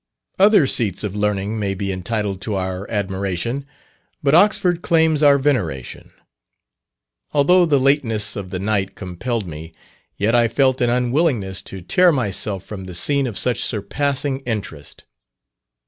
Other seats of learning may be entitled to our admiration, but Oxford claims our veneration. Although the lateness of the night compelled me, yet I felt an unwillingness to tear myself from the scene of such surpassing interest.